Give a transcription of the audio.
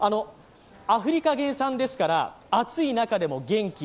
アフリカ原産ですから暑い中でも元気。